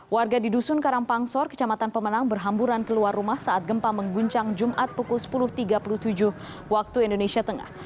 warga di dusun karangpangsor kecamatan pemenang berhamburan keluar rumah saat gempa mengguncang jumat pukul sepuluh tiga puluh tujuh waktu indonesia tengah